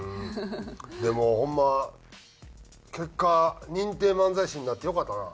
でもホンマ結果認定漫才師になってよかったな。